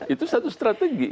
itu satu strategi